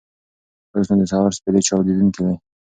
اوس نو د سهار سپېدې چاودېدونکې وې.